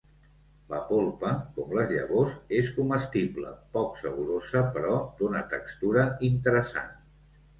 La polpa, com les llavors, és comestible, poc saborosa però d'una textura interessant.